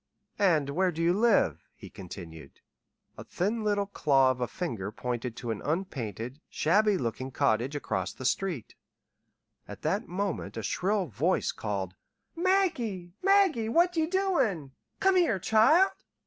"And where do you live?" he continued. A thin little claw of a finger pointed to an unpainted, shabby looking cottage across the street. At that moment a shrill voice called: "Maggie, Maggie, what ye doin'? Come here, child."